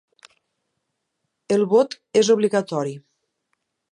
El vot és obligatori.